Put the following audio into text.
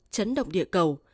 chấn động địa cầu